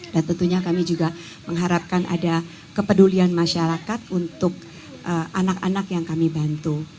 dan tentunya kami juga mengharapkan ada kepedulian masyarakat untuk anak anak yang kami bantu